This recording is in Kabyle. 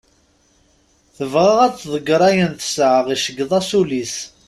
Tebɣa ad ḍegger ayen tesɛa iceggeḍ-as ul-is.